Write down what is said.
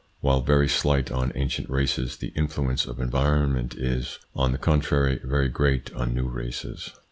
While very slight on ancient races, the influence of environment is, on the contrary, very great on new races.